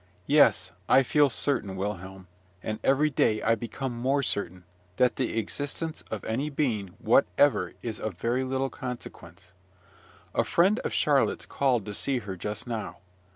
Yes, I feel certain, Wilhelm, and every day I become more certain, that the existence of any being whatever is of very little consequence. A friend of Charlotte's called to see her just now.